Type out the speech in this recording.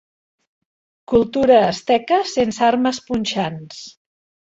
Cultura asteca sense armes punxants.